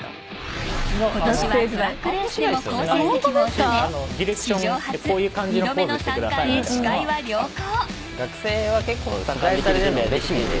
今年はトラックレースでも好成績を収め史上初、２度目の三冠へ視界は良好。